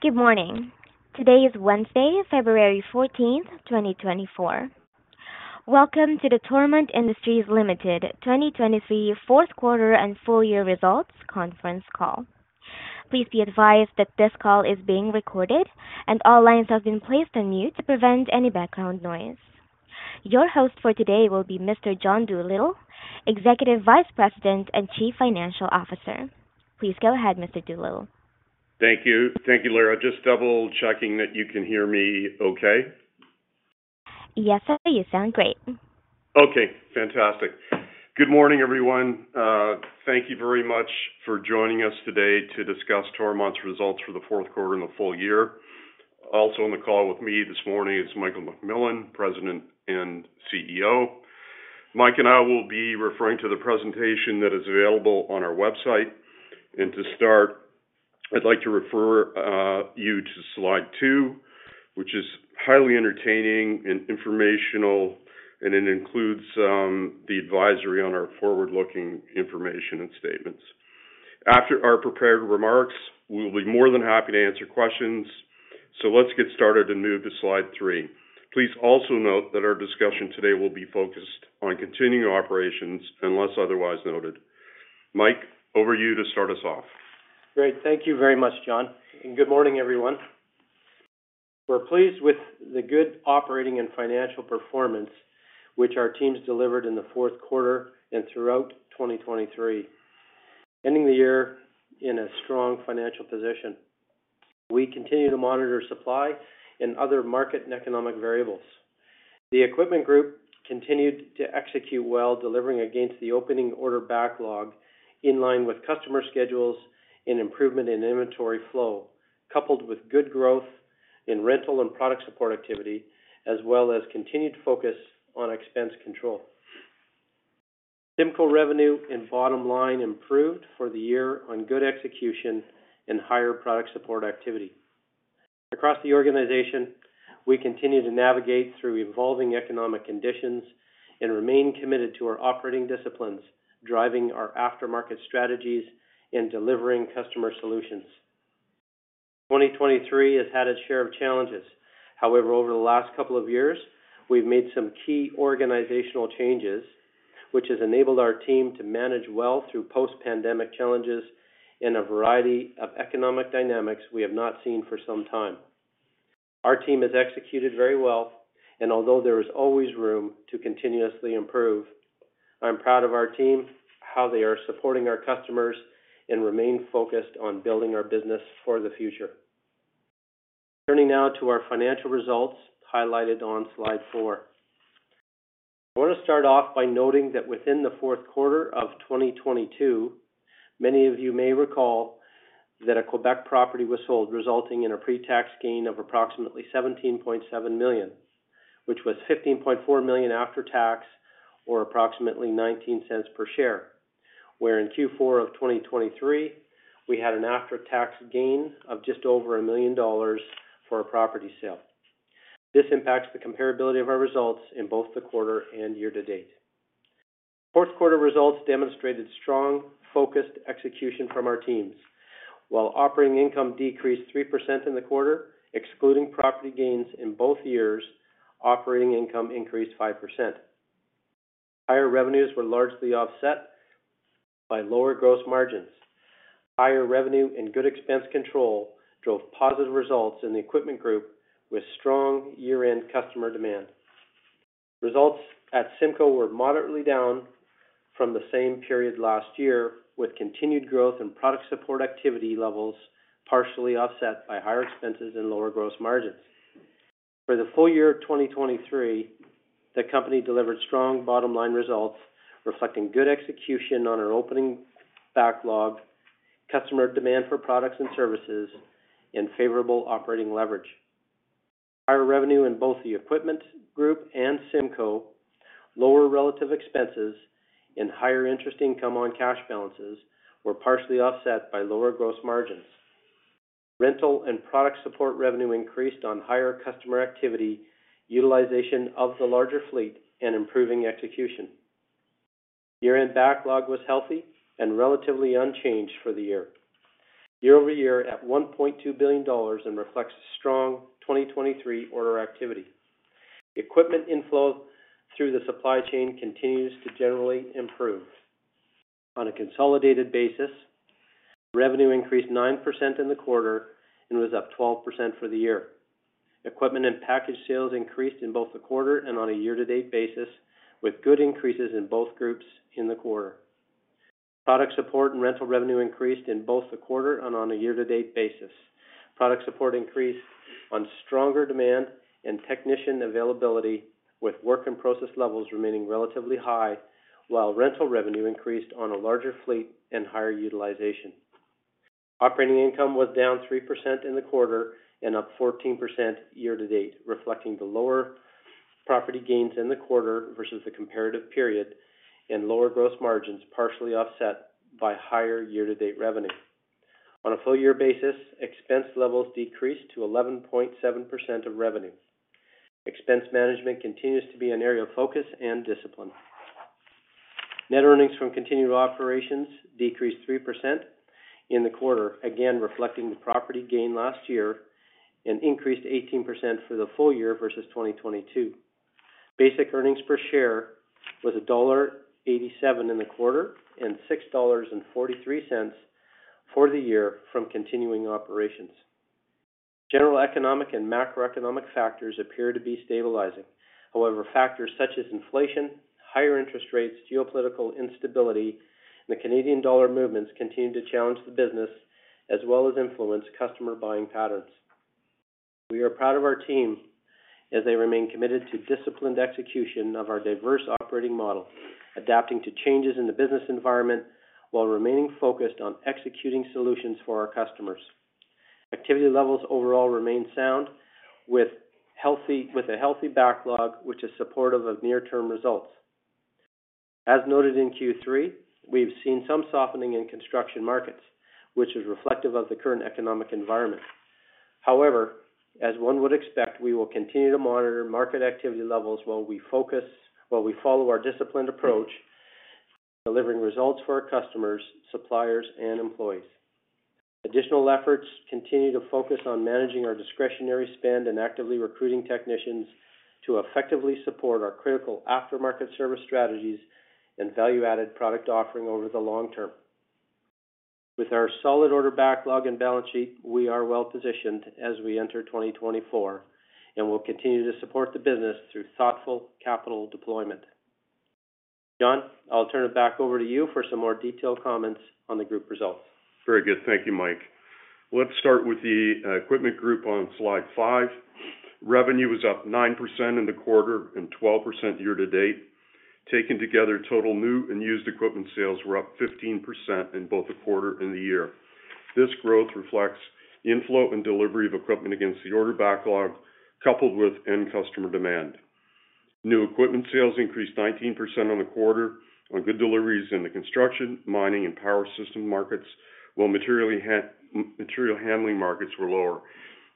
Good morning. Today is Wednesday, February 14th, 2024. Welcome to the Toromont Industries Ltd. 2023 4th Quarter and Full Year Results Conference Call. Please be advised that this call is being recorded, and all lines have been placed on mute to prevent any background noise. Your host for today will be Mr. John Doolittle, Executive Vice President and Chief Financial Officer. Please go ahead, Mr. Doolittle. Thank you. Thank you, Lara. Just double-checking that you can hear me okay. Yes, sir. You sound great. Okay. Fantastic. Good morning, everyone. Thank you very much for joining us today to discuss Toromont's results for the 4th quarter and the full year. Also on the call with me this morning is Michael McMillan, President and CEO. Mike and I will be referring to the presentation that is available on our website. And to start, I'd like to refer you to slide 2, which is highly entertaining and informational, and it includes the advisory on our forward-looking information and statements. After our prepared remarks, we will be more than happy to answer questions. So let's get started and move to slide 3. Please also note that our discussion today will be focused on continuing operations unless otherwise noted. Mike, over to you to start us off. Great. Thank you very much, John. And good morning, everyone. We're pleased with the good operating and financial performance which our teams delivered in the 4th quarter and throughout 2023, ending the year in a strong financial position. We continue to monitor supply and other market and economic variables. The Equipment Group continued to execute well, delivering against the opening order backlog in line with customer schedules and improvement in inventory flow, coupled with good growth in rental and product support activity, as well as continued focus on expense control. CIMCO revenue and bottom line improved for the year on good execution and higher product support activity. Across the organization, we continue to navigate through evolving economic conditions and remain committed to our operating disciplines, driving our aftermarket strategies and delivering customer solutions. 2023 has had its share of challenges. However, over the last couple of years, we've made some key organizational changes, which has enabled our team to manage well through post-pandemic challenges and a variety of economic dynamics we have not seen for some time. Our team has executed very well, and although there is always room to continuously improve, I'm proud of our team, how they are supporting our customers, and remain focused on building our business for the future. Turning now to our financial results highlighted on slide 4. I want to start off by noting that within the 4th quarter of 2022, many of you may recall that a Quebec property was sold, resulting in a pre-tax gain of approximately 17.7 million, which was 15.4 million after tax or approximately 0.19 per share, where in Q4 of 2023 we had an after-tax gain of just over 1 million dollars for a property sale. This impacts the comparability of our results in both the quarter and year-to-date. Fourth quarter results demonstrated strong, focused execution from our teams. While operating income decreased 3% in the quarter, excluding property gains in both years, operating income increased 5%. Higher revenues were largely offset by lower gross margins. Higher revenue and good expense control drove positive results in the Equipment Group with strong year-end customer demand. Results at CIMCO were moderately down from the same period last year, with continued growth in product support activity levels partially offset by higher expenses and lower gross margins. For the full year of 2023, the company delivered strong bottom line results reflecting good execution on our opening backlog, customer demand for products and services, and favorable operating leverage. Higher revenue in both the Equipment Group and CIMCO, lower relative expenses, and higher interest income on cash balances were partially offset by lower gross margins. Rental and product support revenue increased on higher customer activity, utilization of the larger fleet, and improving execution. Year-end backlog was healthy and relatively unchanged for the year. Year-over-year, at 1.2 billion dollars, and reflects strong 2023 order activity. Equipment inflow through the supply chain continues to generally improve. On a consolidated basis, revenue increased 9% in the quarter and was up 12% for the year. Equipment and package sales increased in both the quarter and on a year-to-date basis, with good increases in both groups in the quarter. Product support and rental revenue increased in both the quarter and on a year-to-date basis. Product Support increased on stronger demand and technician availability, with work-in-process levels remaining relatively high, while rental revenue increased on a larger fleet and higher utilization. Operating income was down 3% in the quarter and up 14% year-to-date, reflecting the lower property gains in the quarter versus the comparative period and lower gross margins partially offset by higher year-to-date revenue. On a full-year basis, expense levels decreased to 11.7% of revenue. Expense management continues to be an area of focus and discipline. Net earnings from continuing operations decreased 3% in the quarter, again reflecting the property gain last year and increased 18% for the full year versus 2022. Basic earnings per share was dollar 1.87 in the quarter and 6.43 dollars for the year from continuing operations. General economic and macroeconomic factors appear to be stabilizing. However, factors such as inflation, higher interest rates, geopolitical instability, and the Canadian dollar movements continue to challenge the business as well as influence customer buying patterns. We are proud of our team as they remain committed to disciplined execution of our diverse operating model, adapting to changes in the business environment while remaining focused on executing solutions for our customers. Activity levels overall remain sound, with a healthy backlog which is supportive of near-term results. As noted in Q3, we've seen some softening in construction markets, which is reflective of the current economic environment. However, as one would expect, we will continue to monitor market activity levels while we follow our disciplined approach delivering results for our customers, suppliers, and employees. Additional efforts continue to focus on managing our discretionary spend and actively recruiting technicians to effectively support our critical aftermarket service strategies and value-added product offering over the long term. With our solid order backlog and balance sheet, we are well-positioned as we enter 2024 and will continue to support the business through thoughtful capital deployment. John, I'll turn it back over to you for some more detailed comments on the group results. Very good. Thank you, Mike. Let's start with the Equipment Group on slide 5. Revenue was up 9% in the quarter and 12% year-to-date. Taken together, total new and used equipment sales were up 15% in both the quarter and the year. This growth reflects inflow and delivery of equipment against the order backlog, coupled with end customer demand. New equipment sales increased 19% on the quarter on good deliveries in the construction, mining, and power system markets, while material handling markets were lower.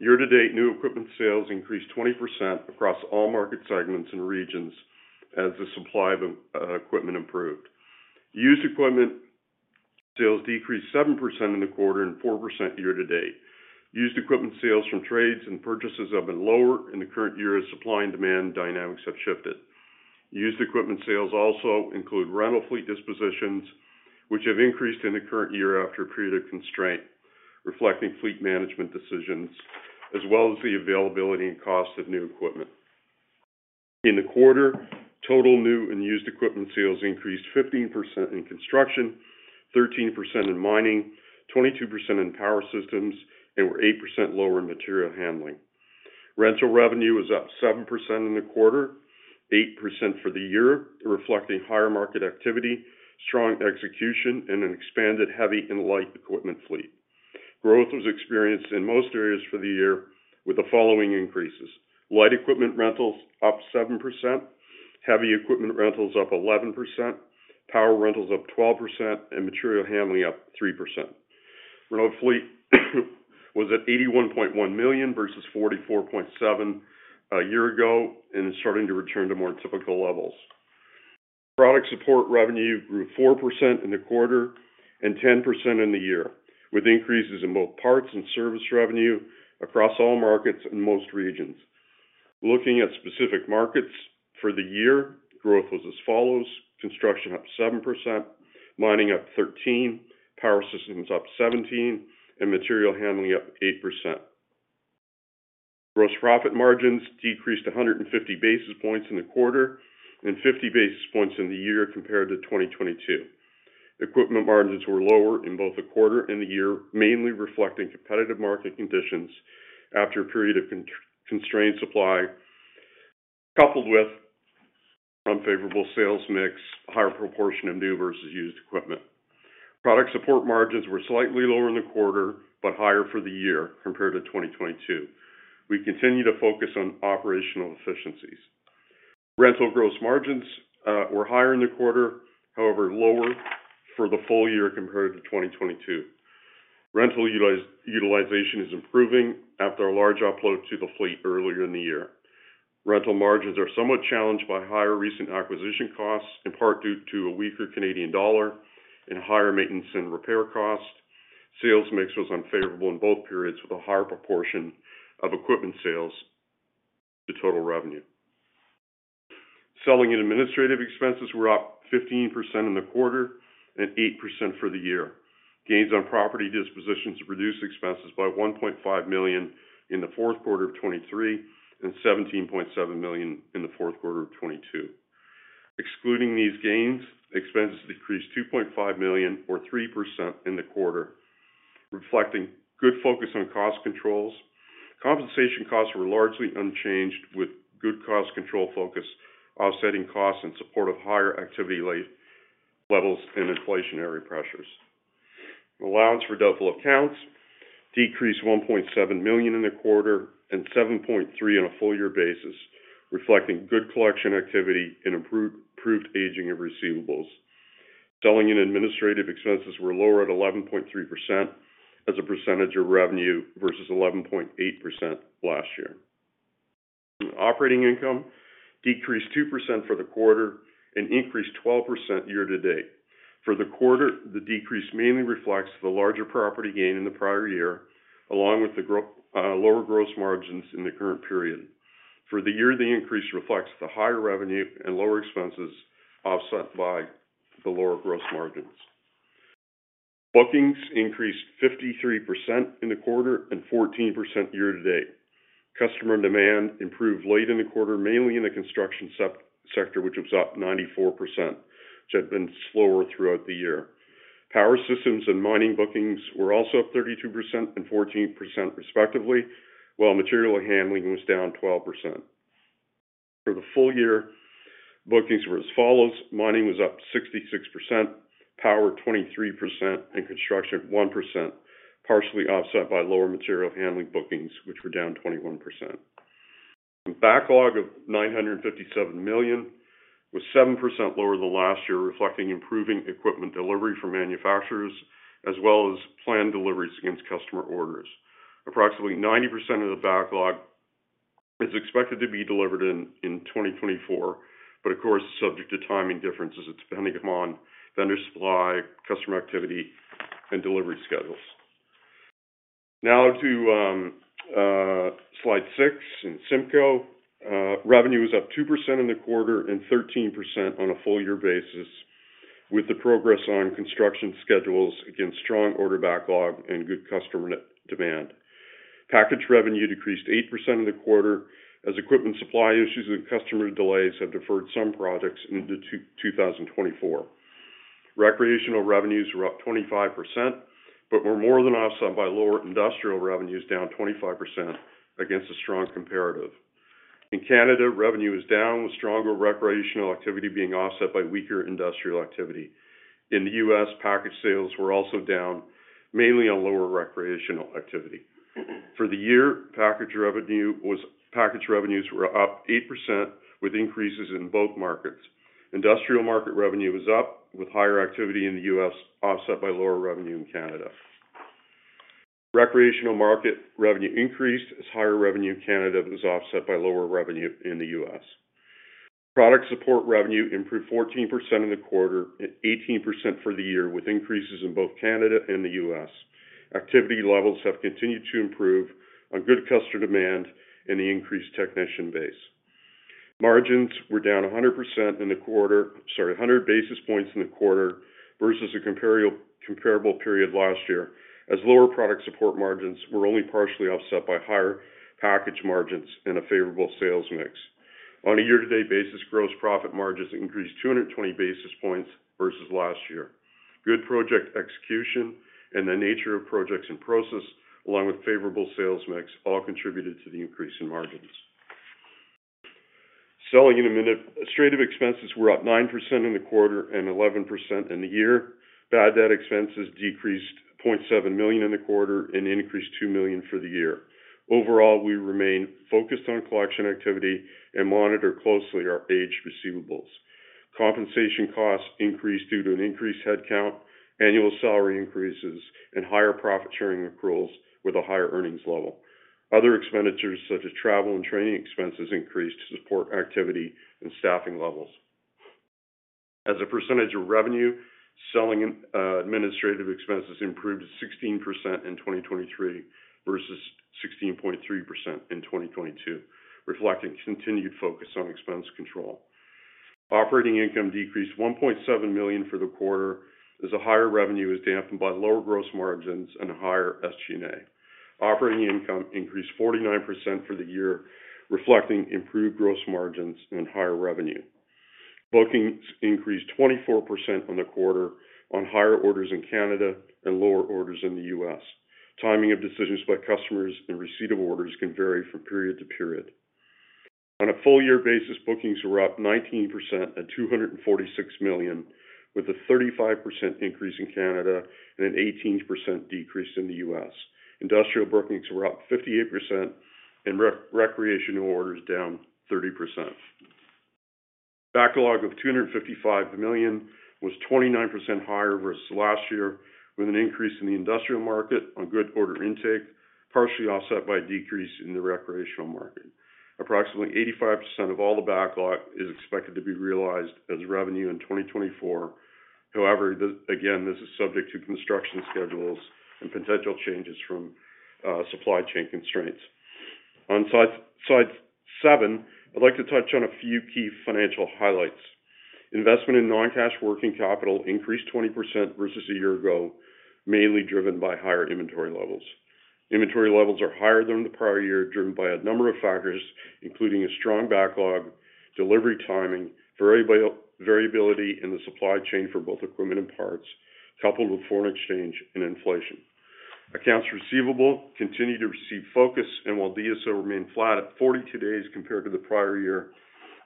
Year-to-date, new equipment sales increased 20% across all market segments and regions as the supply of equipment improved. Used equipment sales decreased 7% in the quarter and 4% year-to-date. Used equipment sales from trades and purchases have been lower in the current year as supply and demand dynamics have shifted. Used equipment sales also include rental fleet dispositions, which have increased in the current year after a period of constraint, reflecting fleet management decisions as well as the availability and cost of new equipment. In the quarter, total new and used equipment sales increased 15% in construction, 13% in mining, 22% in power systems, and were 8% lower in material handling. Rental revenue was up 7% in the quarter, 8% for the year, reflecting higher market activity, strong execution, and an expanded heavy and light equipment fleet. Growth was experienced in most areas for the year with the following increases: light equipment rentals up 7%, heavy equipment rentals up 11%, power rentals up 12%, and material handling up 3%. Rental fleet was at 81.1 million versus 44.7 million a year ago and is starting to return to more typical levels. Product support revenue grew 4% in the quarter and 10% in the year, with increases in both parts and service revenue across all markets and most regions. Looking at specific markets for the year, growth was as follows: construction up 7%, mining up 13%, power systems up 17%, and material handling up 8%. Gross profit margins decreased 150 basis points in the quarter and 50 basis points in the year compared to 2022. Equipment margins were lower in both the quarter and the year, mainly reflecting competitive market conditions after a period of constrained supply, coupled with unfavorable sales mix, higher proportion of new versus used equipment. Product support margins were slightly lower in the quarter but higher for the year compared to 2022. We continue to focus on operational efficiencies. Rental gross margins were higher in the quarter, however lower for the full year compared to 2022. Rental utilization is improving after a large upload to the fleet earlier in the year. Rental margins are somewhat challenged by higher recent acquisition costs, in part due to a weaker Canadian dollar and higher maintenance and repair costs. Sales mix was unfavorable in both periods, with a higher proportion of equipment sales to total revenue. Selling and administrative expenses were up 15% in the quarter and 8% for the year. Gains on property dispositions reduced expenses by 1.5 million in the 4th quarter of 2023 and 17.7 million in the 4th quarter of 2022. Excluding these gains, expenses decreased 2.5 million or 3% in the quarter, reflecting good focus on cost controls. Compensation costs were largely unchanged, with good cost control focus offsetting costs in support of higher activity levels and inflationary pressures. Allowance for doubtful accounts decreased 1.7 million in the quarter and 7.3 million on a full-year basis, reflecting good collection activity and improved aging of receivables. Selling and administrative expenses were lower at 11.3% as a percentage of revenue versus 11.8% last year. Operating income decreased 2% for the quarter and increased 12% year-to-date. For the quarter, the decrease mainly reflects the larger property gain in the prior year, along with the lower gross margins in the current period. For the year, the increase reflects the higher revenue and lower expenses offset by the lower gross margins. Bookings increased 53% in the quarter and 14% year-to-date. Customer demand improved late in the quarter, mainly in the construction sector, which was up 94%, which had been slower throughout the year. Power systems and mining bookings were also up 32% and 14% respectively, while material handling was down 12%. For the full year, bookings were as follows: mining was up 66%, power 23%, and construction 1%, partially offset by lower material handling bookings, which were down 21%. Backlog of 957 million was 7% lower than last year, reflecting improving equipment delivery from manufacturers as well as planned deliveries against customer orders. Approximately 90% of the backlog is expected to be delivered in 2024 but, of course, subject to timing differences. It's depending upon vendor supply, customer activity, and delivery schedules. Now to slide 6 in CIMCO, revenue was up 2% in the quarter and 13% on a full-year basis, with the progress on construction schedules against strong order backlog and good customer demand. Package revenue decreased 8% in the quarter as equipment supply issues and customer delays have deferred some projects into 2024. Recreational revenues were up 25% but were more than offset by lower industrial revenues, down 25% against a strong comparative. In Canada, revenue is down, with stronger recreational activity being offset by weaker industrial activity. In the U.S., package sales were also down, mainly on lower recreational activity. For the year, package revenues were up 8% with increases in both markets. Industrial market revenue was up, with higher activity in the U.S. offset by lower revenue in Canada. Recreational market revenue increased as higher revenue in Canada was offset by lower revenue in the U.S. Product support revenue improved 14% in the quarter and 18% for the year, with increases in both Canada and the U.S. Activity levels have continued to improve on good customer demand and the increased technician base. Margins were down 100% in the quarter, sorry, 100 basis points in the quarter versus a comparable period last year, as lower product support margins were only partially offset by higher package margins and a favorable sales mix. On a year-to-date basis, gross profit margins increased 220 basis points versus last year. Good project execution and the nature of projects in process, along with favorable sales mix, all contributed to the increase in margins. Selling and administrative expenses were up 9% in the quarter and 11% in the year. Bad debt expenses decreased 0.7 million in the quarter and increased 2 million for the year. Overall, we remain focused on collection activity and monitor closely our aged receivables. Compensation costs increased due to an increased headcount, annual salary increases, and higher profit-sharing accruals with a higher earnings level. Other expenditures, such as travel and training expenses, increased to support activity and staffing levels. As a percentage of revenue, selling and administrative expenses improved 16% in 2023 versus 16.3% in 2022, reflecting continued focus on expense control. Operating income decreased 1.7 million for the quarter as a higher revenue is dampened by lower gross margins and a higher SG&A. Operating income increased 49% for the year, reflecting improved gross margins and higher revenue. Bookings increased 24% on the quarter on higher orders in Canada and lower orders in the US. Timing of decisions by customers and receipt of orders can vary from period to period On a full-year basis, bookings were up 19% at 246 million, with a 35% increase in Canada and an 18% decrease in the US. Industrial bookings were up 58%, and recreational orders down 30%. Backlog of 255 million was 29% higher versus last year, with an increase in the industrial market on good order intake, partially offset by a decrease in the recreational market. Approximately 85% of all the backlog is expected to be realized as revenue in 2024. However, again, this is subject to construction schedules and potential changes from supply chain constraints. On slide 7, I'd like to touch on a few key financial highlights. Investment in non-cash working capital increased 20% versus a year ago, mainly driven by higher inventory levels. Inventory levels are higher than the prior year, driven by a number of factors, including a strong backlog, delivery timing, variability in the supply chain for both equipment and parts, coupled with foreign exchange and inflation. Accounts receivable continue to receive focus, and while DSO remained flat at 42 days compared to the prior year,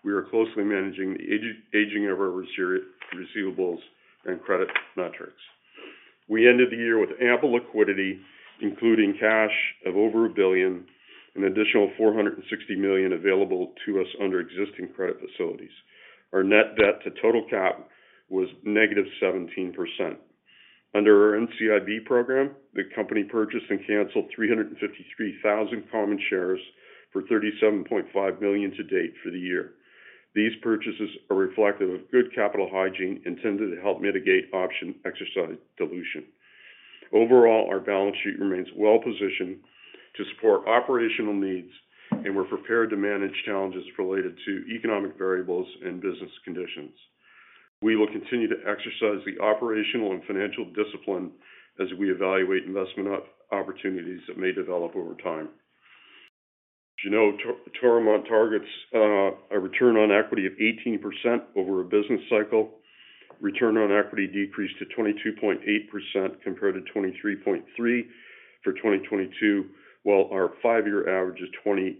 we are closely managing the aging of our receivables and credit metrics. We ended the year with ample liquidity, including cash of over 1 billion and additional 460 million available to us under existing credit facilities. Our net debt to total cap was negative 17%. Under our NCIB program, the company purchased and canceled 353,000 common shares for 37.5 million to date for the year. These purchases are reflective of good capital hygiene intended to help mitigate option exercise dilution. Overall, our balance sheet remains well-positioned to support operational needs, and we're prepared to manage challenges related to economic variables and business conditions. We will continue to exercise the operational and financial discipline as we evaluate investment opportunities that may develop over time. As you know, Toromont targets a return on equity of 18% over a business cycle. Return on equity decreased to 22.8% compared to 23.3% for 2022, while our five-year average is 20.8%.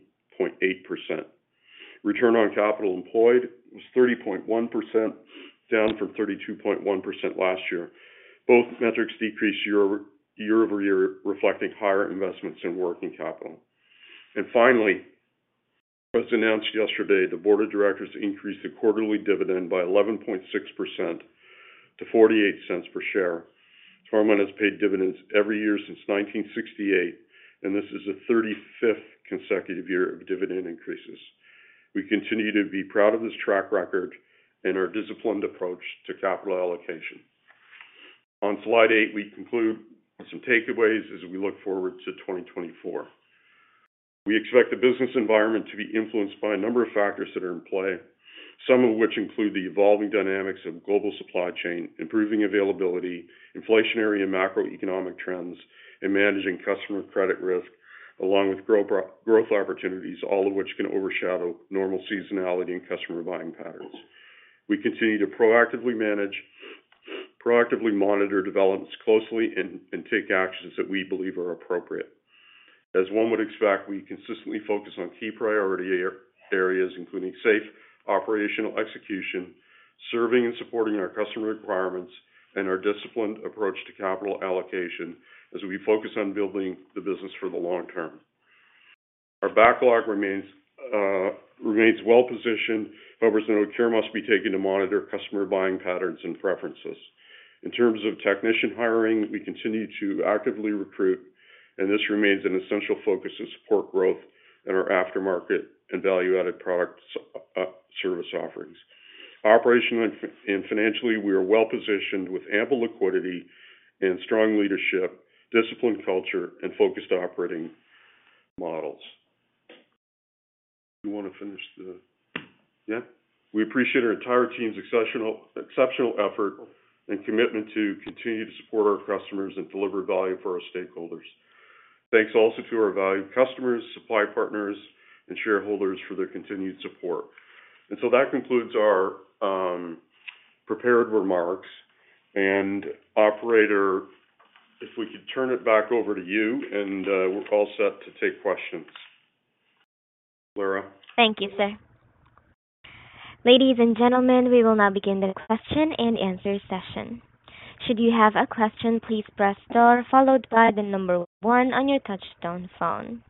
Return on capital employed was 30.1%, down from 32.1% last year. Both metrics decreased year-over-year, reflecting higher investments in working capital. And finally, it was announced yesterday, the board of directors increased the quarterly dividend by 11.6% to 0.48 per share. Toromont has paid dividends every year since 1968, and this is the 35th consecutive year of dividend increases. We continue to be proud of this track record and our disciplined approach to capital allocation. On slide 8, we conclude with some takeaways as we look forward to 2024. We expect the business environment to be influenced by a number of factors that are in play, some of which include the evolving dynamics of global supply chain, improving availability, inflationary and macroeconomic trends, and managing customer credit risk, along with growth opportunities, all of which can overshadow normal seasonality and customer buying patterns. We continue to proactively monitor developments closely and take actions that we believe are appropriate. As one would expect, we consistently focus on key priority areas, including safe operational execution, serving and supporting our customer requirements, and our disciplined approach to capital allocation as we focus on building the business for the long term. Our backlog remains well-positioned, however, as you know, care must be taken to monitor customer buying patterns and preferences. In terms of technician hiring, we continue to actively recruit, and this remains an essential focus to support growth in our aftermarket and value-added product service offerings. Operationally and financially, we are well-positioned with ample liquidity and strong leadership, disciplined culture, and focused operating models. Do you want to finish the yeah? We appreciate our entire team's exceptional effort and commitment to continue to support our customers and deliver value for our stakeholders. Thanks also to our valued customers, supply partners, and shareholders for their continued support. And so that concludes our prepared remarks. And operator, if we could turn it back over to you, and we're all set to take questions. Lara. Thank you, sir. Ladies and gentlemen, we will now begin the question and answer session. Should you have a question, please press star followed by the number one on your touch-tone phone.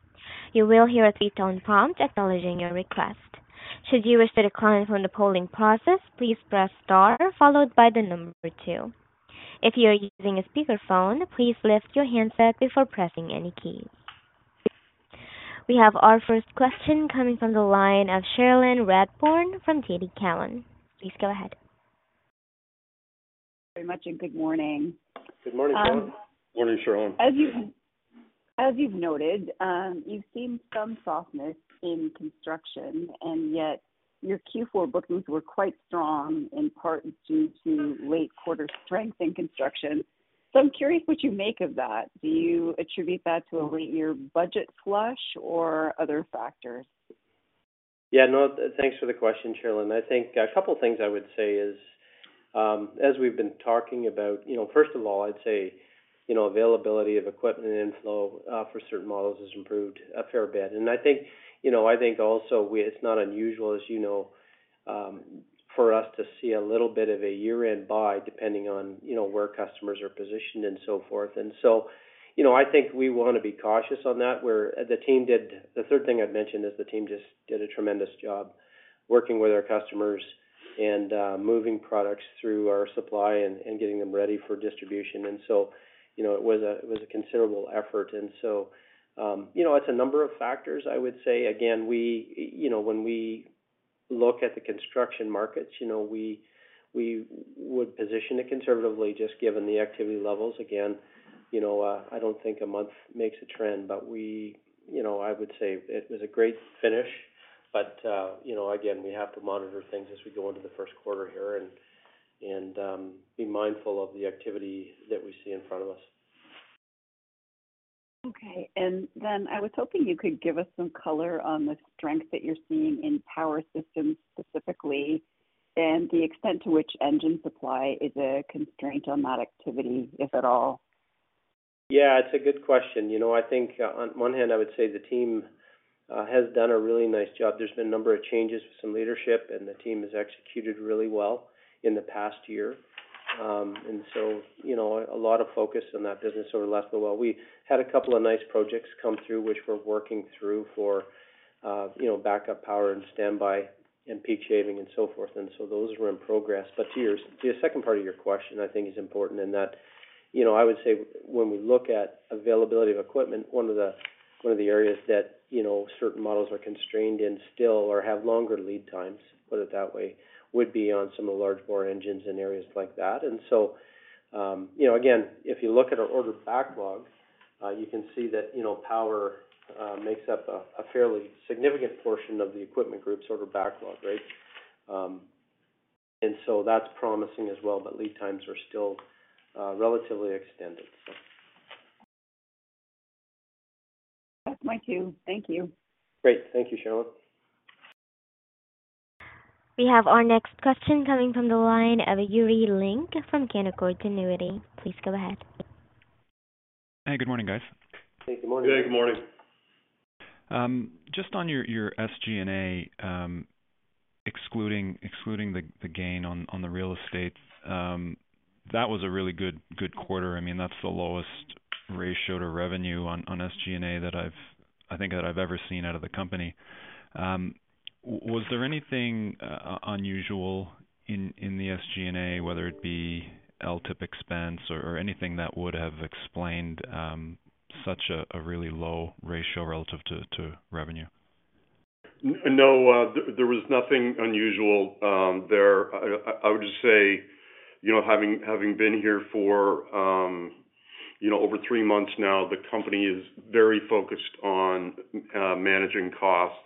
You will hear a three-tone prompt acknowledging your request. Should you wish to decline from the polling process, please press star followed by the number two. If you are using a speakerphone, please lift your handset before pressing any key. We have our first question coming from the line of Cherilyn Radbourne from TD Cowen. Please go ahead. Thank you very much and good morning. Good morning, Cherilyn. Good morning, Cherilyn. As you've noted, you've seen some softness in construction, and yet your Q4 bookings were quite strong, in part due to late quarter strength in construction. So I'm curious what you make of that. Do you attribute that to a late-year budget flush or other factors? Yeah, no, thanks for the question, Cherilyn. I think a couple of things I would say is, as we've been talking about, you know, first of all, I'd say, you know, availability of equipment and inflow for certain models has improved a fair bit. And I think, you know, I think also it's not unusual, as you know, for us to see a little bit of a year-end buy, depending on, you know, where customers are positioned and so forth. And so, you know, I think we want to be cautious on that. Well, the third thing I'd mention is the team just did a tremendous job working with our customers and moving products through our supply chain and getting them ready for distribution. And so, you know, it was a considerable effort. And so, you know, it's a number of factors, I would say. Again, we, you know, when we look at the construction markets, you know, we would position it conservatively, just given the activity levels. Again, you know, I don't think a month makes a trend, but we, you know, I would say it was a great finish. But, you know, again, we have to monitor things as we go into the first quarter here and be mindful of the activity that we see in front of us. Okay. And then I was hoping you could give us some color on the strength that you're seeing in power systems specifically and the extent to which engine supply is a constraint on that activity, if at all. Yeah, it's a good question. You know, I think, on one hand, I would say the team has done a really nice job. There's been a number of changes with some leadership, and the team has executed really well in the past year. So, you know, a lot of focus on that business over the last little while. We had a couple of nice projects come through, which we're working through for, you know, backup power and standby and peak shaving and so forth. So those were in progress. But to your to your second part of your question, I think, is important in that, you know, I would say when we look at availability of equipment, one of the one of the areas that, you know, certain models are constrained in still or have longer lead times, put it that way, would be on some of the large bore engines and areas like that. And so, you know, again, if you look at our order backlog, you can see that, you know, power makes up a fairly significant portion of the Equipment Group's order backlog, right? And so that's promising as well, but lead times are still relatively extended, so. That's my cue. Thank you. Great. Thank you, Cherilyn. We have our next question coming from the line of Yuri Lynk from Canaccord Genuity. Please go ahead. Hey, good morning, guys. Hey, good morning. Good morning. Just on your SG&A, excluding the gain on the real estate, that was a really good quarter. I mean, that's the lowest ratio to revenue on SG&A that I think I've ever seen out of the company. Was there anything unusual in the SG&A, whether it be LTIP expense or anything that would have explained such a really low ratio relative to revenue? No, there was nothing unusual there. I would just say, you know, having been here for, you know, over three months now, the company is very focused on managing costs,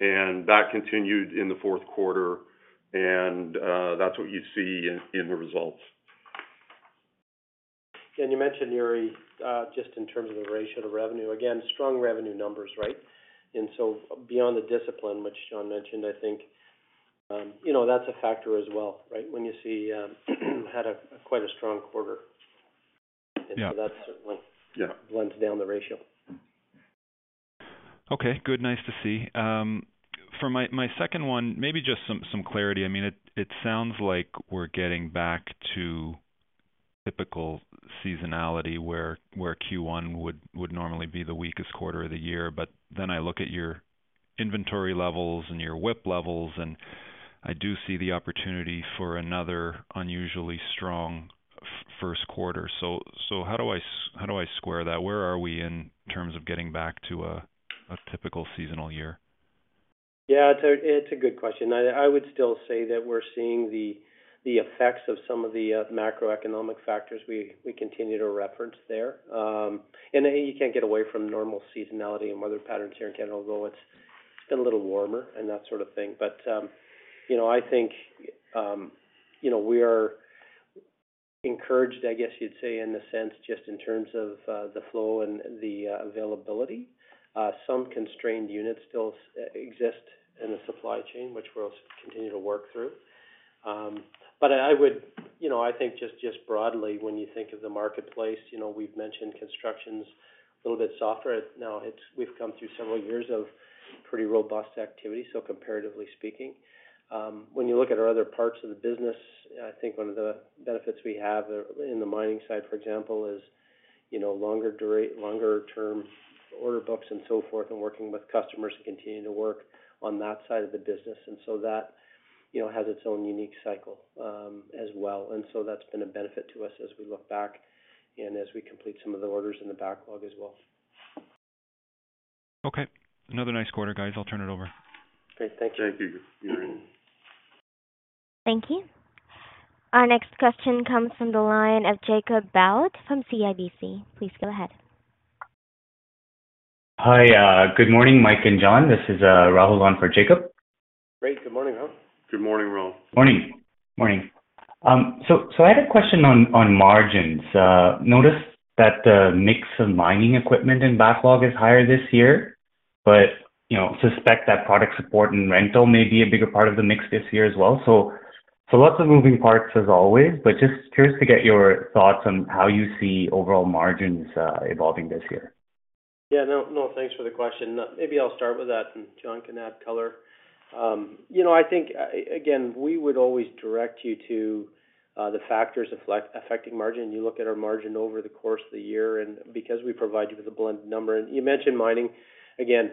and that continued in the fourth quarter. And that's what you see in the results. Yeah, and you mentioned, Yuri, just in terms of the ratio to revenue, again, strong revenue numbers, right? And so beyond the discipline, which John mentioned, I think, you know, that's a factor as well, right, when you see had a quite strong quarter. And so that certainly blends down the ratio. Okay. Good. Nice to see. For my second one, maybe just some clarity. I mean, it sounds like we're getting back to typical seasonality where Q1 would normally be the weakest quarter of the year. But then I look at your inventory levels and your WIP levels, and I do see the opportunity for another unusually strong first quarter. So how do I square that? Where are we in terms of getting back to a typical seasonal year? Yeah, it's a good question. I would still say that we're seeing the effects of some of the macroeconomic factors we continue to reference there. And you can't get away from normal seasonality and weather patterns here in Canada. Although it's been a little warmer and that sort of thing. But, you know, I think, you know, we are encouraged, I guess you'd say, in a sense, just in terms of the flow and the availability. Some constrained units still exist in the supply chain, which we'll continue to work through. But I would, you know, I think, just broadly, when you think of the marketplace, you know, we've mentioned construction's a little bit softer. Now, it's we've come through several years of pretty robust activity, so comparatively speaking. When you look at our other parts of the business, I think one of the benefits we have in the mining side, for example, is, you know, longer duration, longer-term order books and so forth and working with customers and continuing to work on that side of the business. And so that, you know, has its own unique cycle, as well. So that's been a benefit to us as we look back and as we complete some of the orders in the backlog as well. Okay. Another nice quarter, guys. I'll turn it over. Great. Thank you. Thank you, Yuri. Thank you. Our next question comes from the line of Jacob Bout from CIBC. Please go ahead. Hi, good morning, Mike and John. This is, Rahul on for Jacob. Great. Good morning, Rahul. Good morning, Rahul. Morning. Morning. So I had a question on margins. Noticed that the mix of mining equipment in backlog is higher this year, but, you know, suspect that product support and rental may be a bigger part of the mix this year as well. So lots of moving parts, as always, but just curious to get your thoughts on how you see overall margins evolving this year. Yeah, no, no, thanks for the question. Maybe I'll start with that, and John can add color. You know, I think, again, we would always direct you to the factors affecting margin. You look at our margin over the course of the year and because we provide you with a blended number and you mentioned mining. Again,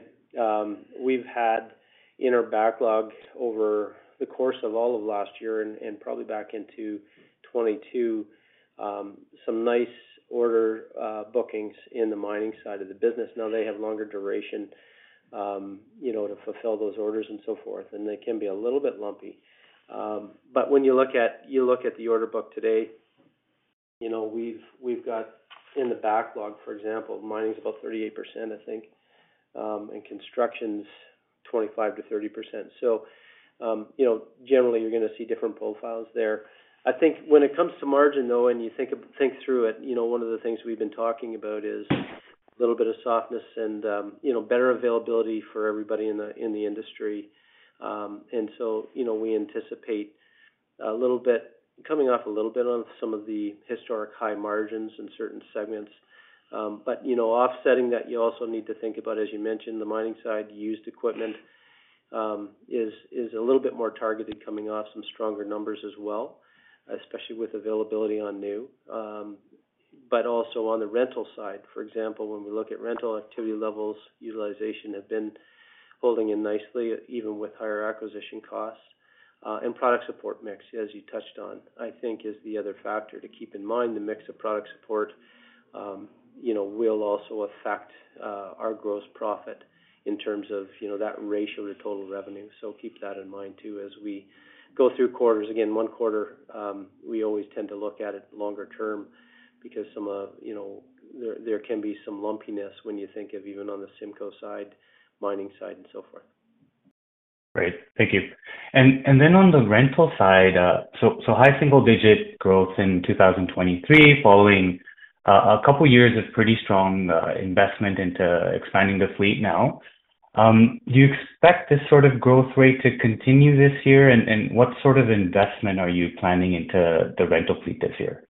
we've had in our backlog over the course of all of last year and probably back into 2022, some nice order bookings in the mining side of the business. Now, they have longer duration, you know, to fulfill those orders and so forth, and they can be a little bit lumpy. But when you look at the order book today, you know, we've got in the backlog, for example, mining's about 38%, I think, and construction's 25%-30%. So, you know, generally, you're going to see different profiles there. I think when it comes to margin, though, and you think through it, you know, one of the things we've been talking about is a little bit of softness and, you know, better availability for everybody in the industry. And so, you know, we anticipate a little bit coming off a little bit of some of the historic high margins in certain segments. But, you know, offsetting that, you also need to think about, as you mentioned, the mining side. Used equipment is a little bit more targeted coming off some stronger numbers as well, especially with availability on new. But also on the rental side, for example, when we look at rental activity levels, utilization have been holding in nicely, even with higher acquisition costs. And product support mix, as you touched on, I think, is the other factor to keep in mind. The mix of product support, you know, will also affect our gross profit in terms of, you know, that ratio to total revenue. So keep that in mind, too, as we go through quarters. Again, one quarter, we always tend to look at it longer term because some of, you know, there can be some lumpiness when you think of even on the CIMCO side, mining side, and so forth. Great. Thank you. And then on the rental side, so high single-digit growth in 2023 following a couple of years of pretty strong investment into expanding the fleet now. Do you expect this sort of growth rate to continue this year, and what sort of investment are you planning into the rental fleet this year?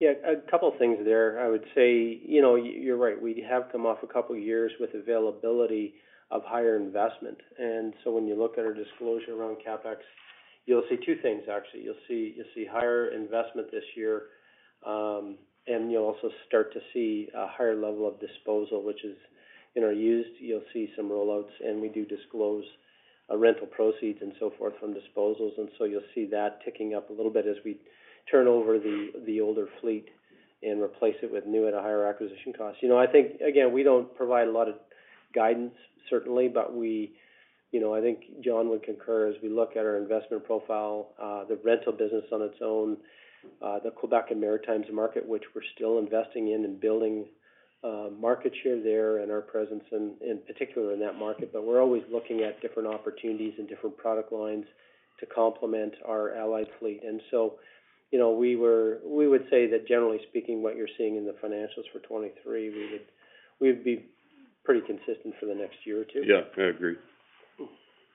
Yeah, a couple of things there. I would say, you know, you're right. We have come off a couple of years with availability of higher investment. And so when you look at our disclosure around CapEx, you'll see two things, actually. You'll see higher investment this year, and you'll also start to see a higher level of disposal, which is, you know, used. You'll see some rollouts, and we do disclose rental proceeds and so forth from disposals. And so you'll see that ticking up a little bit as we turn over the older fleet and replace it with new at a higher acquisition cost. You know, I think again, we don't provide a lot of guidance, certainly, but, you know, I think John would concur. As we look at our investment profile, the rental business on its own, the Quebec and Maritimes market, which we're still investing in and building market share there and our presence in particular in that market. But we're always looking at different opportunities and different product lines to complement our allied fleet. And so, you know, we would say that, generally speaking, what you're seeing in the financials for 2023, we would be pretty consistent for the next year or two. Yeah, I agree.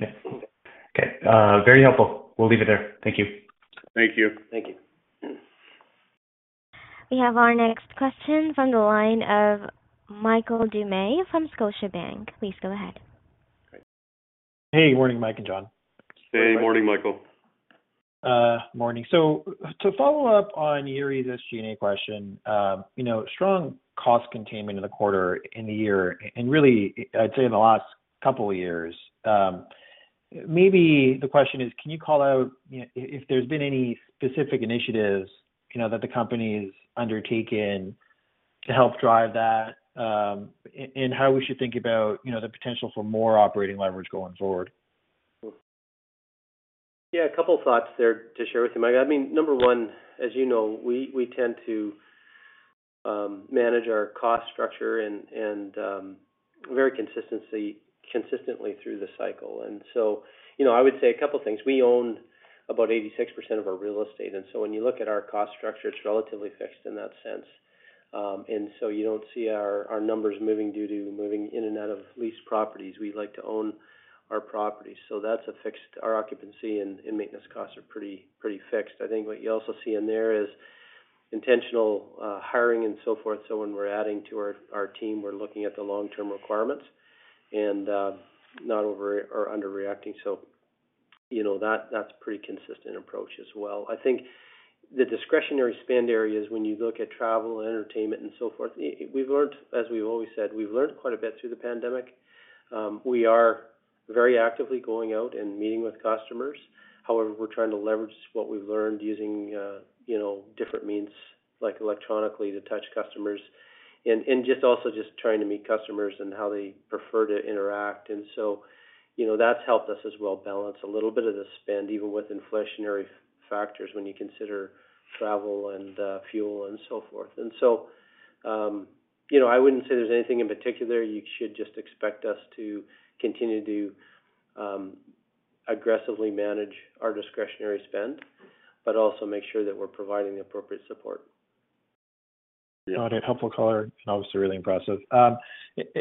Okay. Very helpful. We'll leave it there. Thank you. Thank you. Thank you. We have our next question from the line of Michael Doumet from Scotiabank. Please go ahead. Great. Hey, good morning, Mike and John. Hey, morning, Michael. Morning. So to follow up on Yuri's SG&A question, you know, strong cost containment in the quarter in the year and really, I'd say, in the last couple of years. Maybe the question is, can you call out, you know, if there's been any specific initiatives, you know, that the company's undertaken to help drive that, and how we should think about, you know, the potential for more operating leverage going forward? Yeah, a couple of thoughts there to share with you, Mike. I mean, number one, as you know, we tend to manage our cost structure very consistently through the cycle. And so, you know, I would say a couple of things. We own about 86% of our real estate. And so when you look at our cost structure, it's relatively fixed in that sense. And so you don't see our numbers moving due to moving in and out of leased properties. We like to own our properties. So that's fixed. Our occupancy and maintenance costs are pretty fixed. I think what you also see in there is intentional hiring and so forth. So when we're adding to our team, we're looking at the long-term requirements and not over- or underreacting. So, you know, that's a pretty consistent approach as well. I think the discretionary spend areas, when you look at travel and entertainment and so forth, we've learned, as we've always said, quite a bit through the pandemic. We are very actively going out and meeting with customers. However, we're trying to leverage what we've learned using, you know, different means, like electronically, to touch customers and just trying to meet customers and how they prefer to interact. And so, you know, that's helped us as well balance a little bit of the spend, even with inflationary factors when you consider travel and fuel and so forth. And so, you know, I wouldn't say there's anything in particular. You should just expect us to continue to aggressively manage our discretionary spend but also make sure that we're providing the appropriate support. Got it. Helpful color and obviously really impressive.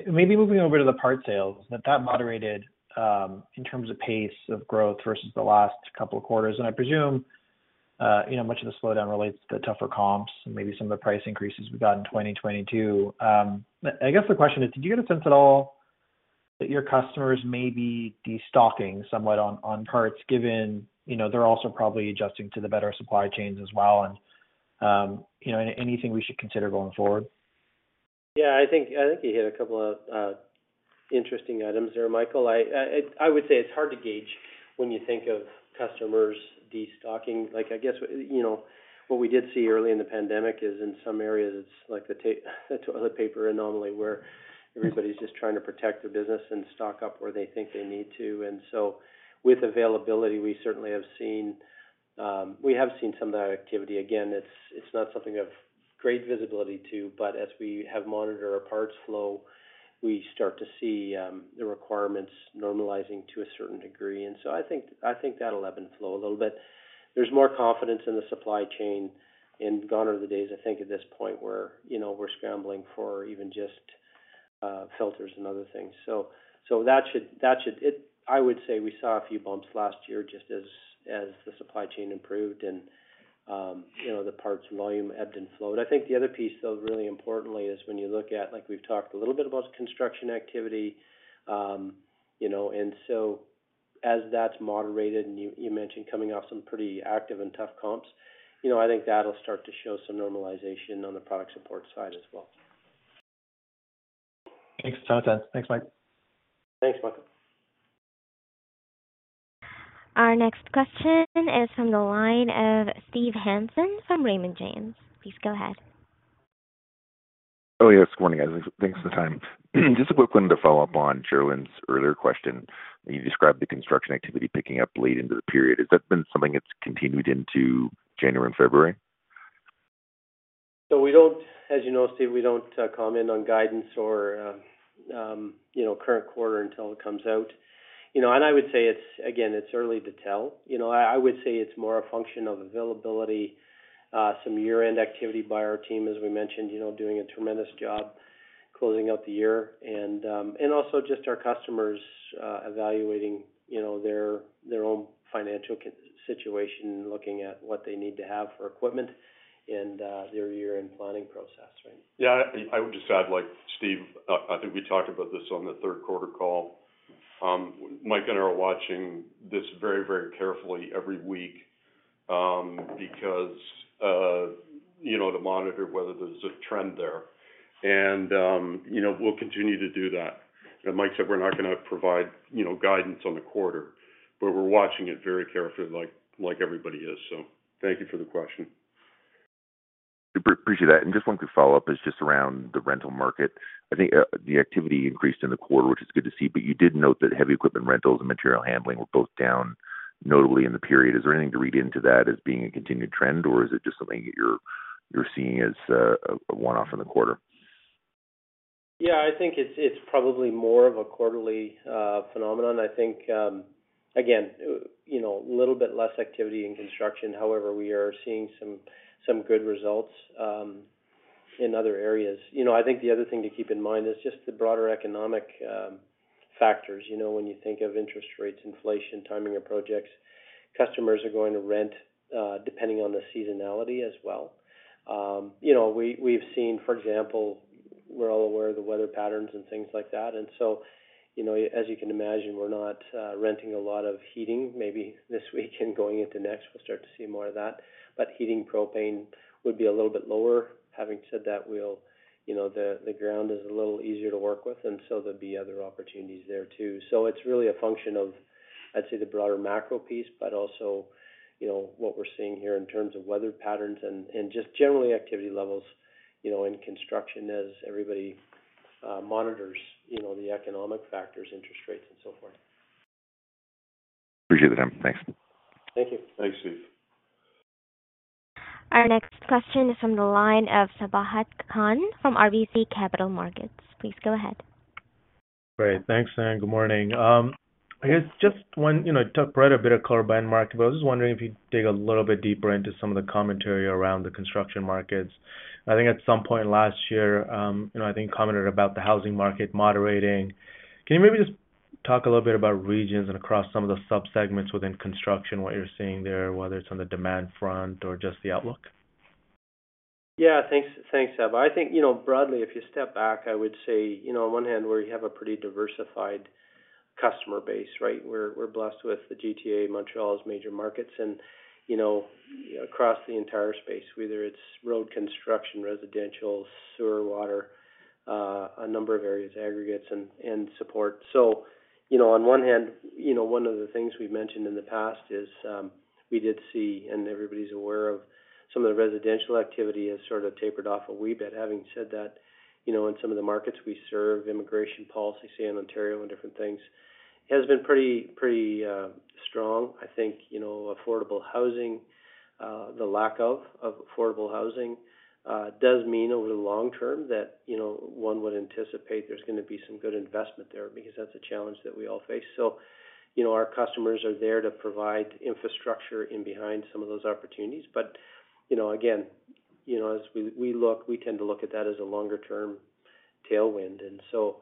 Maybe moving over to the part sales, that moderated, in terms of pace of growth versus the last couple of quarters. I presume, you know, much of the slowdown relates to the tougher comps and maybe some of the price increases we got in 2022. I guess the question is, did you get a sense at all that your customers may be destocking somewhat on parts, given, you know, they're also probably adjusting to the better supply chains as well and, you know, anything we should consider going forward? Yeah, I think you hit a couple of interesting items there, Michael. I would say it's hard to gauge when you think of customers destocking. Like, I guess, you know, what we did see early in the pandemic is in some areas, it's like the tape the toilet paper anomaly where everybody's just trying to protect their business and stock up where they think they need to. And so with availability, we certainly have seen some of that activity. Again, it's not something of great visibility to, but as we have monitored our parts flow, we start to see the requirements normalizing to a certain degree. And so I think that'll ebb and flow a little bit. There's more confidence in the supply chain and gone are the days, I think, at this point where, you know, we're scrambling for even just filters and other things. So that should it. I would say we saw a few bumps last year just as the supply chain improved and, you know, the parts volume ebbed and flowed. I think the other piece, though, really importantly, is when you look at like, we've talked a little bit about construction activity, you know, and so as that's moderated and you mentioned coming off some pretty active and tough comps, you know, I think that'll start to show some normalization on the product support side as well. Makes a ton of sense. Thanks, Mike. Thanks, Michael. Our next question is from the line of Steve Hansen from Raymond James. Please go ahead. Oh, yes. Good morning, guys. Thanks for the time. Just a quick one to follow up on Cherilyn's earlier question. You described the construction activity picking up late into the period. Has that been something that's continued into January and February? So we don't, as you know, Steve, we don't comment on guidance or, you know, current quarter until it comes out. You know, and I would say it's again, it's early to tell. You know, I would say it's more a function of availability, some year-end activity by our team, as we mentioned, you know, doing a tremendous job closing out the year and also just our customers evaluating, you know, their own financial situation, looking at what they need to have for equipment and their year-end planning process, right? Yeah, I would just add, like, Steve, I think we talked about this on the third-quarter call. Mike and I are watching this very, very carefully every week, because, you know, to monitor whether there's a trend there. And, you know, we'll continue to do that. And Mike said we're not going to provide, you know, guidance on the quarter, but we're watching it very carefully, like everybody is. So thank you for the question. Appreciate that. And just one quick follow-up is just around the rental market. I think, the activity increased in the quarter, which is good to see, but you did note that heavy equipment rentals and material handling were both down notably in the period. Is there anything to read into that as being a continued trend, or is it just something that you're seeing as a one-off in the quarter? Yeah, I think it's probably more of a quarterly phenomenon. I think, again, you know, a little bit less activity in construction. However, we are seeing some good results in other areas. You know, I think the other thing to keep in mind is just the broader economic factors. You know, when you think of interest rates, inflation, timing of projects, customers are going to rent, depending on the seasonality as well. You know, we've seen, for example, we're all aware of the weather patterns and things like that. And so, you know, as you can imagine, we're not renting a lot of heating. Maybe this week and going into next, we'll start to see more of that. But heating propane would be a little bit lower. Having said that, well, you know, the ground is a little easier to work with, and so there'll be other opportunities there, too. So it's really a function of, I'd say, the broader macro piece but also, you know, what we're seeing here in terms of weather patterns and just generally activity levels, you know, in construction as everybody monitors, you know, the economic factors, interest rates, and so forth. Appreciate it, team. Thanks. Thank you. Thanks, Steve. Our next question is from the line of Sabahat Khan from RBC Capital Markets. Please go ahead. Great. Thanks, [team]. Good morning. I guess just one, you know, you talked quite a bit of color buying market, but I was just wondering if you'd dig a little bit deeper into some of the commentary around the construction markets. I think at some point last year, you know, I think you commented about the housing market moderating. Can you maybe just talk a little bit about regions and across some of the subsegments within construction, what you're seeing there, whether it's on the demand front or just the outlook? Yeah, thanks. Thanks, Sabahat. I think, you know, broadly, if you step back, I would say, you know, on one hand, where you have a pretty diversified customer base, right, we're blessed with the GTA, Montreal's major markets, and, you know, across the entire space, whether it's road construction, residential, sewer water, a number of areas, aggregates, and support. So, you know, on one hand, you know, one of the things we've mentioned in the past is, we did see, and everybody's aware of, some of the residential activity has sort of tapered off a wee bit. Having said that, you know, in some of the markets we serve, immigration policy, say, in Ontario and different things, has been pretty strong. I think, you know, affordable housing the lack of affordable housing does mean over the long term that, you know, one would anticipate there's going to be some good investment there because that's a challenge that we all face. So, you know, our customers are there to provide infrastructure in behind some of those opportunities. But, you know, again, you know, as we look, we tend to look at that as a longer-term tailwind. And so,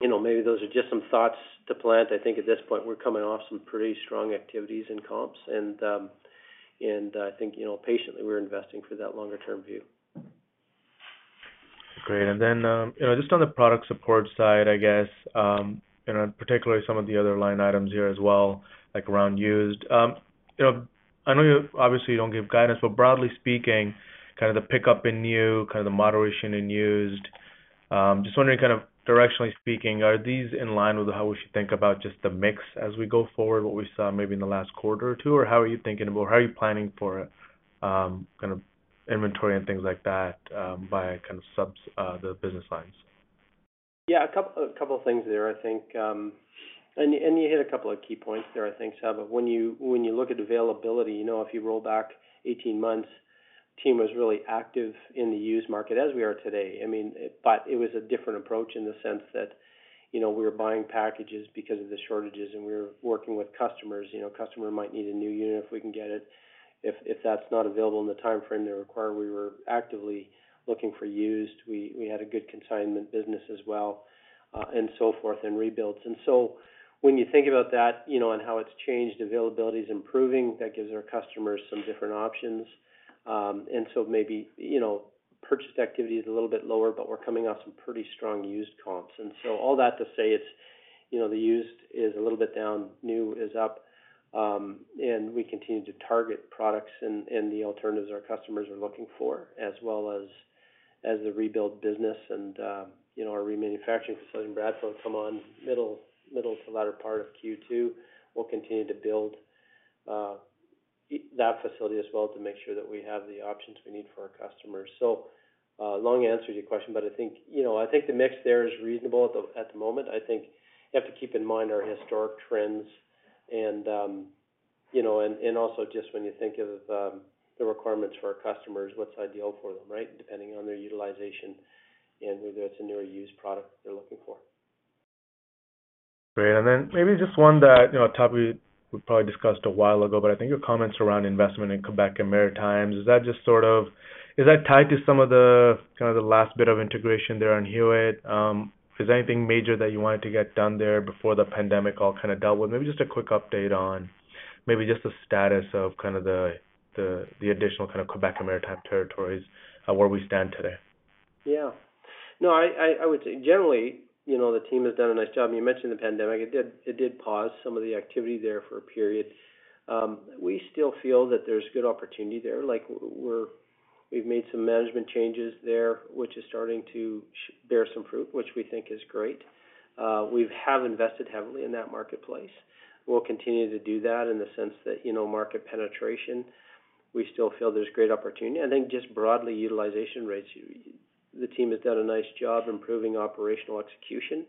you know, maybe those are just some thoughts to plant. I think at this point, we're coming off some pretty strong activities and comps. And I think, you know, patiently, we're investing for that longer-term view. Great. And then, you know, just on the product support side, I guess, you know, particularly some of the other line items here as well, like around used, you know, I know you obviously, you don't give guidance, but broadly speaking, kind of the pickup in new, kind of the moderation in used, just wondering kind of directionally speaking, are these in line with how we should think about just the mix as we go forward, what we saw maybe in the last quarter or two, or how are you thinking about how are you planning for, kind of inventory and things like that, by kind of subs the business lines? Yeah, a couple a couple of things there, I think. And you and you hit a couple of key points there, I think, Sabahat. When you look at availability, you know, if you roll back 18 months, the team was really active in the used market as we are today. I mean, but it was a different approach in the sense that, you know, we were buying packages because of the shortages, and we were working with customers. You know, a customer might need a new unit if we can get it. If that's not available in the time frame they require, we were actively looking for used. We had a good consignment business as well, and so forth and rebuilds. And so when you think about that, you know, and how it's changed, availability's improving. That gives our customers some different options. And so maybe, you know, purchased activity is a little bit lower, but we're coming off some pretty strong used comps. So all that to say, it's, you know, the used is a little bit down, new is up, and we continue to target products and the alternatives our customers are looking for as well as the rebuild business. You know, our remanufacturing facility in Bradford will come on in the middle to latter part of Q2. We'll continue to build that facility as well to make sure that we have the options we need for our customers. So, long answer to your question, but I think, you know, I think the mix there is reasonable at the moment. I think you have to keep in mind our historic trends and, you know, and also just when you think of the requirements for our customers, what's ideal for them, right, depending on their utilization and whether it's a new or used product they're looking for. Great. Then maybe just one that, you know, a topic we probably discussed a while ago, but I think your comments around investment in Quebec and Maritimes, is that just sort of tied to some of the kind of the last bit of integration there on Hewitt? Is there anything major that you wanted to get done there before the pandemic all kind of dealt with? Maybe just a quick update on maybe just the status of kind of the additional kind of Quebec and Maritime territories, where we stand today. Yeah. No, I would say generally, you know, the team has done a nice job. And you mentioned the pandemic. It did pause some of the activity there for a period. We still feel that there's good opportunity there. Like, we've made some management changes there, which is starting to bear some fruit, which we think is great. We have invested heavily in that marketplace. We'll continue to do that in the sense that, you know, market penetration, we still feel there's great opportunity. I think just broadly, utilization rates, the team has done a nice job improving operational execution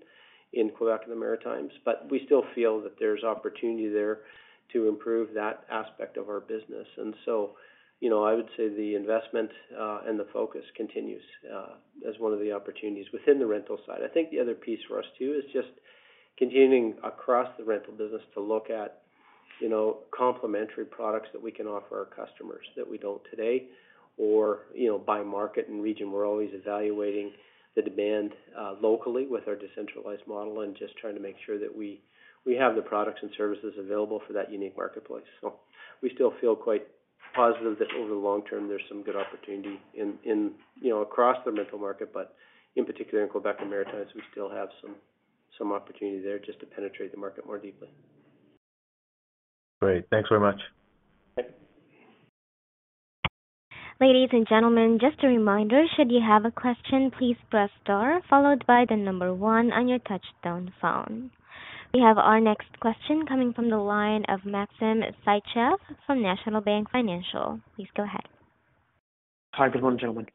in Quebec and the Maritimes, but we still feel that there's opportunity there to improve that aspect of our business. And so, you know, I would say the investment, and the focus continues, as one of the opportunities within the rental side. I think the other piece for us, too, is just continuing across the rental business to look at, you know, complementary products that we can offer our customers that we don't today or, you know, by market and region. We're always evaluating the demand, locally with our decentralized model and just trying to make sure that we we have the products and services available for that unique marketplace. So we still feel quite positive that over the long term, there's some good opportunity in in, you know, across the rental market, but in particular in Quebec and Maritimes, we still have some some opportunity there just to penetrate the market more deeply. Great. Thanks very much. Thank you. Ladies and gentlemen, just a reminder, should you have a question, please press star followed by the number one on your touch-tone phone. We have our next question coming from the line of Maxim Sytchev from National Bank Financial. Please go ahead. Hi. Good morning, gentlemen.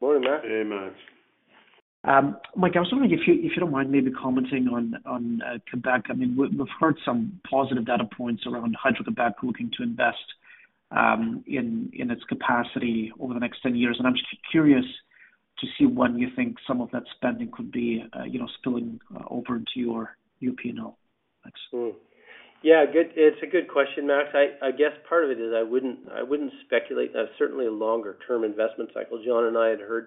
Morning, Max. Hey, Max. Mike, I was just wondering if you if you don't mind maybe commenting on on, Quebec. I mean, we've heard some positive data points around Hydro-Québec looking to invest in its capacity over the next 10 years. And I'm just curious to see when you think some of that spending could be, you know, spilling over into your P&L. Max. Yeah, good, it's a good question, Max. I guess part of it is I wouldn't speculate. That's certainly a longer-term investment cycle. John and I had heard,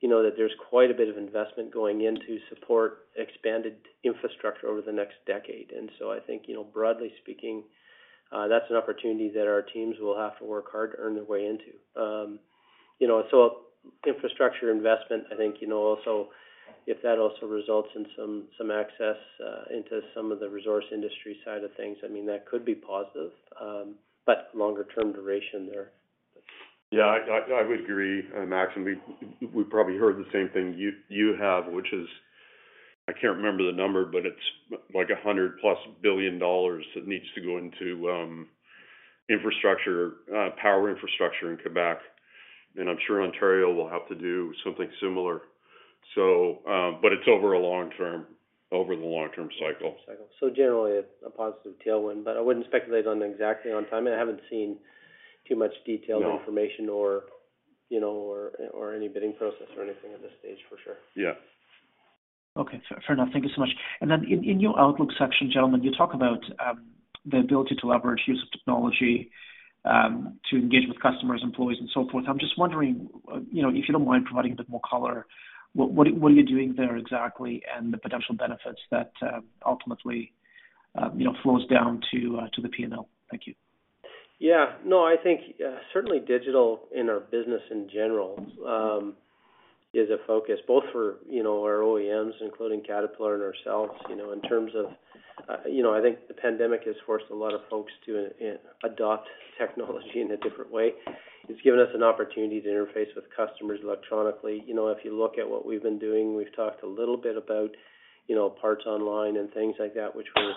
you know, that there's quite a bit of investment going into support, expanded infrastructure over the next decade. And so I think, you know, broadly speaking, that's an opportunity that our teams will have to work hard to earn their way into. You know, so infrastructure investment, I think, you know, also if that also results in some access into some of the resource industry side of things, I mean, that could be positive, but longer-term duration there. Yeah, I would agree, Maxim. We probably heard the same thing you have, which is I can't remember the number, but it's like 100+ billion dollars that needs to go into infrastructure, power infrastructure in Quebec. And I'm sure Ontario will have to do something similar. So, but it's over a long term, over the long-term cycle. Cycle. So generally, a positive tailwind, but I wouldn't speculate on exactly on time. And I haven't seen too much detailed information or, you know, or any bidding process or anything at this stage, for sure. Yeah. Okay. Fair enough. Thank you so much. And then in your outlook section, gentlemen, you talk about the ability to leverage use of technology to engage with customers, employees, and so forth. I'm just wondering, you know, if you don't mind providing a bit more color, what are you doing there exactly and the potential benefits that, ultimately, you know, flows down to the P&L? Thank you. Yeah. No, I think certainly digital in our business in general is a focus, both for you know our OEMs, including Caterpillar and ourselves, you know, in terms of you know I think the pandemic has forced a lot of folks to adopt technology in a different way. It's given us an opportunity to interface with customers electronically. You know, if you look at what we've been doing, we've talked a little bit about, you know, parts online and things like that, which were,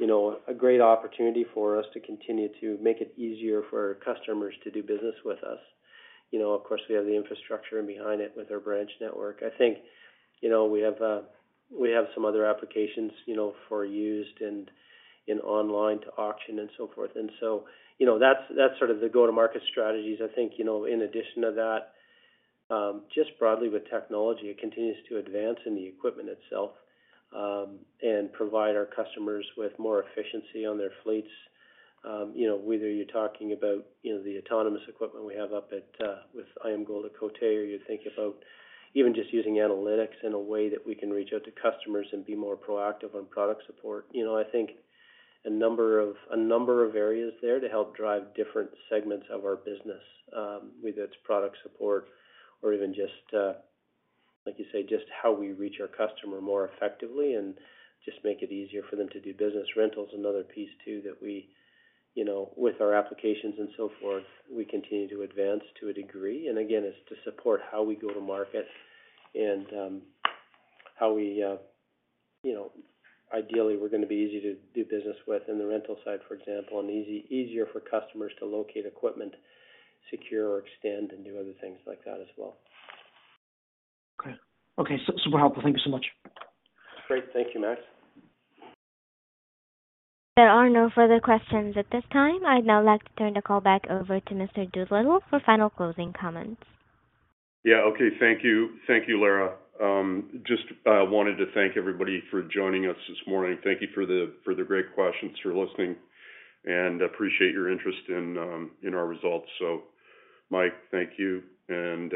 you know, a great opportunity for us to continue to make it easier for our customers to do business with us. You know, of course, we have the infrastructure in behind it with our branch network. I think, you know, we have some other applications, you know, for used and online to auction and so forth. And so, you know, that's sort of the go-to-market strategies, I think, you know, in addition to that, just broadly with technology, it continues to advance in the equipment itself, and provide our customers with more efficiency on their fleets. you know, whether you're talking about, you know, the autonomous equipment we have up at, with IAMGOLD at Côté or you're thinking about even just using analytics in a way that we can reach out to customers and be more proactive on product support, you know, I think a number of a number of areas there to help drive different segments of our business, whether it's product support or even just, like you say, just how we reach our customer more effectively and just make it easier for them to do business. Rental's another piece, too, that we, you know, with our applications and so forth, we continue to advance to a degree. And again, it's to support how we go to market and how we, you know, ideally, we're going to be easy to do business with in the rental side, for example, and easier for customers to locate equipment, secure, or extend and do other things like that as well. Okay. Okay. So super helpful. Thank you so much. Great. Thank you, Max. There are no further questions at this time. I'd now like to turn the call back over to Mr. Doolittle for final closing comments. Yeah. Okay. Thank you. Thank you, Lara. Just wanted to thank everybody for joining us this morning. Thank you for the great questions, for listening, and appreciate your interest in our results. So, Mike, thank you. And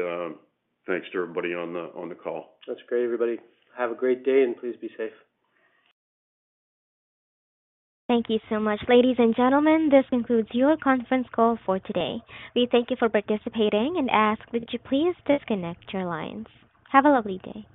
thanks to everybody on the call. That's great, everybody. Have a great day, and please be safe. Thank you so much. Ladies and gentlemen, this concludes your conference call for today. We thank you for participating and ask, would you please disconnect your lines? Have a lovely day.